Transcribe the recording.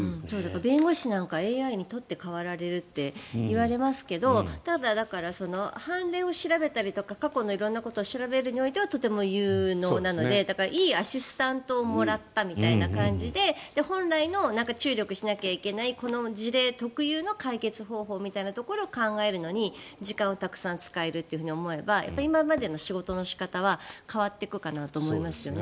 弁護士なんかＡＩに取って代わられるって言いますけどただ、判例を調べたりとか過去の色んなことを調べることにおいては有能なのでいいアシスタントをもらったみたいな感じで本来の注力しなきゃいけないこの事例特有の解決方法みたいなところを考えるのに時間をたくさん使えると思えば今までの仕事の仕方は変わっていくかなと思いますよね。